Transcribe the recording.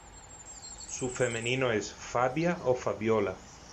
Su femenino es Fabia o Fabiola.